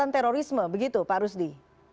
terorisme begitu pak rusdi